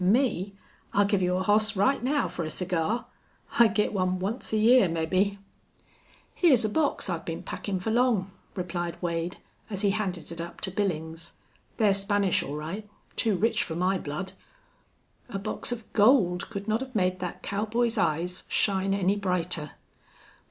Me? I'll give you a hoss right now for a cigar. I git one onct a year, mebbe." "Here's a box I've been packin' for long," replied Wade, as he handed it up to Billings. "They're Spanish, all right. Too rich for my blood!" A box of gold could not have made that cowboy's eyes shine any brighter.